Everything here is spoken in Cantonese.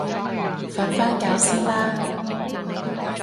瞓返覺先啦